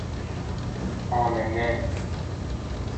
آمنه